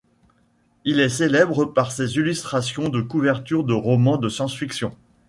Il est célèbre par ses illustrations de couvertures de romans de science-fiction.